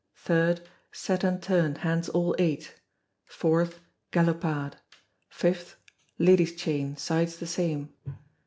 3rd, Set and turn, hands all eight. 4th, Galopade. 5th, Ladies' chain, sides the same.